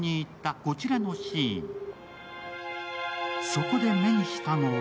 そこで目にしたのは